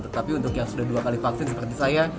tetapi untuk yang sudah dua kali vaksin seperti saya